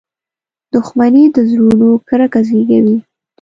• دښمني د زړونو کرکه زیږوي.